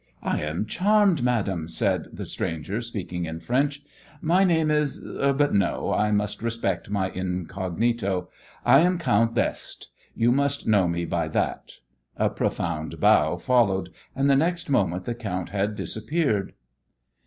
"I am charmed, madame," said the stranger, speaking in French. "My name is but, no, I must respect my incognito. I am Count d'Este. You can know me by that." A profound bow followed, and the next moment the count had disappeared.